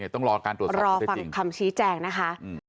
ต้องรอการตรวจสอบรอฟังคำชี้แจงนะคะ